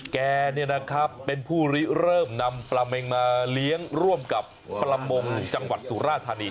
แกเป็นผู้ริเริ่มนำปลาเม็งมาเลี้ยงร่วมกับประมงจังหวัดสุราธานี